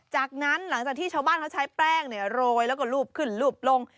จากนั้นหลังจากที่ชาวบ้านเขาใช้แป้งโรยแล้วก็รูปขึ้นรูปลง